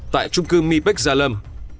tại trung cư mi pek gia lâm